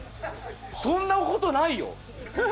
そんな事ないよ？